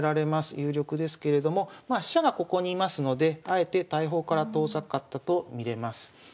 有力ですけれどもまあ飛車がここに居ますのであえて大砲から遠ざかったと見れます。